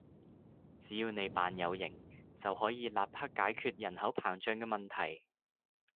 只要你扮有型，就可以立刻解決人口膨脹嘅問題